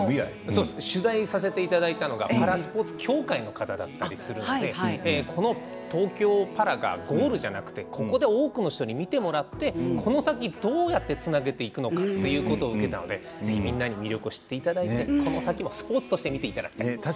取材させていただいたのがパラ協会の方だったりするのでこの東京パラがゴールじゃなくて多くの人に見てもらってこの先、どうやってつなげていくのかということなので皆さんに魅力を知ってもらってスポーツとして見てもらいたい。